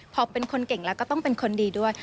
พอเป็นคนเก่งแล้วก็ต้องเป็นคนดีด้วย